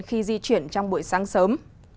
khi di chuyển trong buổi sáng sớm